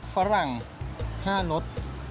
ฝรั่งฝรั่งฝรั่งฝรั่งฝรั่งฝรั่ง๕รส